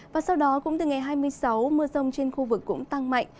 và sau đó cũng từ ngày hai mươi sáu mưa rông trên khu vực cũng tăng mạnh